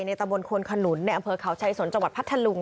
ตะบนควนขนุนในอำเภอเขาชายสนจังหวัดพัทธลุง